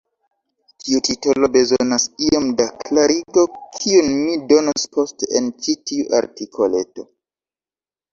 Tiu titolo bezonas iom da klarigo, kiun mi donos poste en ĉi tiu artikoleto.